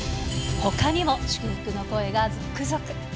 ほかにも祝福の声が続々。